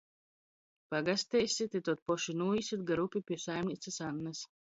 Pagasteisit i tod poši nūīsit gar upi pi saimineicys Annys.